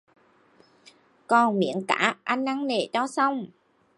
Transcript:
Còn miếng cá, anh ăn nể cho xong